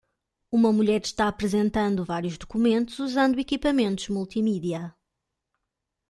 Uma mulher está apresentando vários documentos usando equipamentos multimídia.